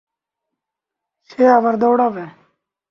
সে আবার দৌড়াবে।